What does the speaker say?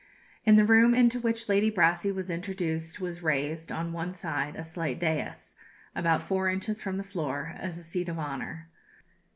In the room into which Lady Brassey was introduced was raised, on one side, a slight daïs, about four inches from the floor, as a seat of honour.